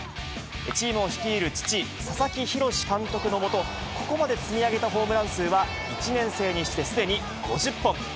チームを率いる父、佐々木洋監督の下、ここまで積み上げたホームラン数は、１年生にしてすでに５０本。